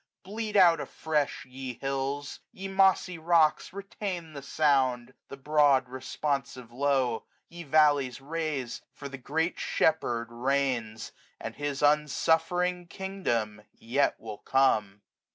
Bleat out afresh, ye hills: ye mossy rocks^ F F 2 a2o A H Y M N. Retain the sound: the broad responsive lowe. Ye valleys, raise; for the Great Shepherd reigns; And his unsuflfering kingdom yet will come.